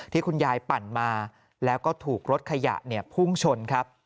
ที่คุณยายปั่นมาแล้วก็ถูกรถขยะพุ่งชน